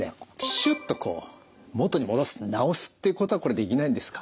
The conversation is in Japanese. シュッとこう元に戻す治すっていうことはこれできないんですか？